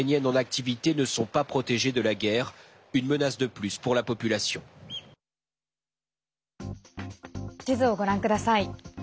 地図をご覧ください。